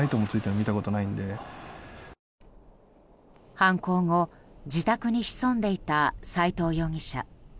犯行後自宅に潜んでいた斎藤容疑者。